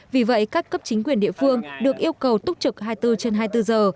vì vậy các cấp chính quyền địa phương được yêu cầu túc trực hai mươi bốn trên hai mươi bốn giờ